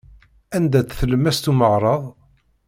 Anda-tt tlemmast umeɣrad?